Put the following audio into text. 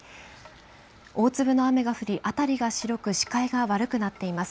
大粒の雨が降り、辺りが白く視界が悪くなっています。